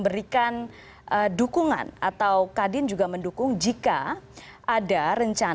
terima kasih pak purban